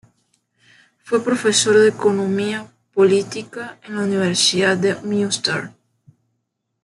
Fue profesor de economía política en la Universidad de Münster.